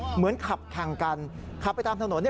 เหมือนขับแข่งกันขับไปตามถนน